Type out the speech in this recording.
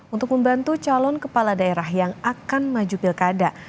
untuk membantu calon kepala daerah yang akan maju pilkada